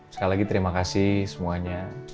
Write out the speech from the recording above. sekali lagi terima kasih semuanya